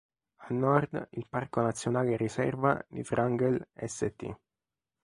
A nord il parco nazionale e riserva di Wrangell-St.